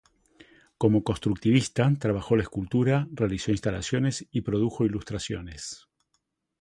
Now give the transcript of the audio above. Como constructivista trabajó la escultura, realizó instalaciones y produjo ilustraciones.